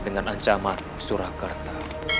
dengan ancamanmu surakarta